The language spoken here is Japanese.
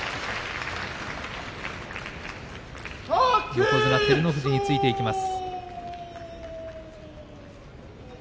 横綱照ノ富士についていきます。